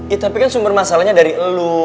eh tapi kan sumber masalahnya dari elu